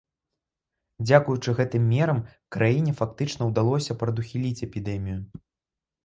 Дзякуючы гэтым мерам краіне фактычна ўдалося прадухіліць эпідэмію.